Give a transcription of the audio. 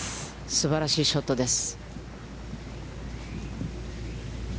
すばらしいショットです。